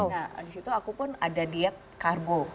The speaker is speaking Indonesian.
nah disitu aku pun ada diet karbo